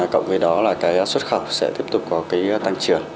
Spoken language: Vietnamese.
cộng với đó là xuất khẩu sẽ tiếp tục có tăng trưởng